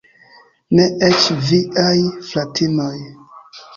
Ne eĉ viaj fratinoj.